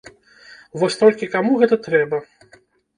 Вось толькі каму гэта трэба?